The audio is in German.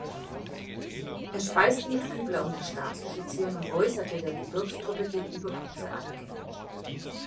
Er speiste mit Kübler und den Stabsoffizieren und äußerte der Gebirgstruppe gegenüber große Anerkennung.